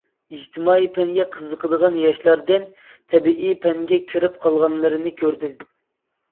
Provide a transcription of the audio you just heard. ئىجتىمائىي پەنگە قىزىقىدىغان ياشلاردىن تەبىئىي پەنگە كىرىپ قالغانلىرىنى كۆردۈم.